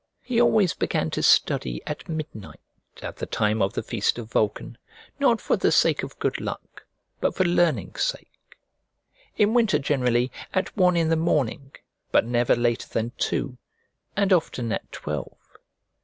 He always began to study at midnight at the time of the feast of Vulcan, not for the sake of good luck, but for learning's sake; in winter generally at one in the morning, but never later than two, and often at twelve.